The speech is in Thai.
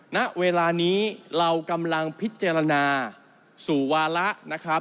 ณเวลานี้เรากำลังพิจารณาสู่วาระนะครับ